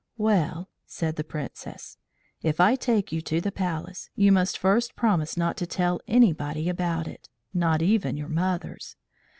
"Well," said the Princess, "if I take you to the Palace, you must first promise not to tell anybody about it not even your mothers.